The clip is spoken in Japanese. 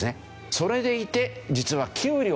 それでいて実は給料